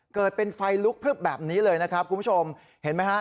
เกิดเป็นไฟลุกพลึบแบบนี้เลยนะครับคุณผู้ชมเห็นไหมฮะ